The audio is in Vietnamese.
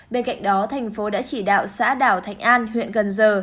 bên cạnh đó thành phố đã chỉ đạo xã đảo thành an huyện gần giờ